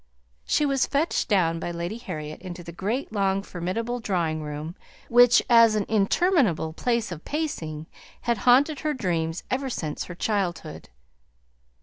She was fetched down by Lady Harriet into the great long formidable drawing room, which as an interminable place of pacing, had haunted her dreams ever since her childhood.